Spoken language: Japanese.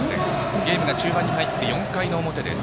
ゲームは中盤に入って４回の表です。